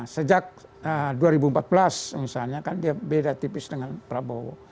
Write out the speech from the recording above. sejak dua ribu empat belas misalnya kan dia beda tipis dengan prabowo